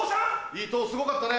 伊藤すごかったね